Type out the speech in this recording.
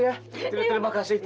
terima kasih terima kasih